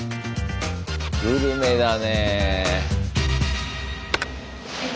グルメだね。